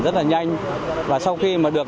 rất là nhanh và sau khi mà được